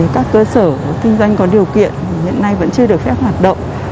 các cơ sở kinh doanh có điều kiện hiện nay vẫn chưa được phép hoạt động